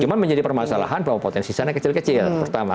cuma menjadi permasalahan bahwa potensi sana kecil kecil pertama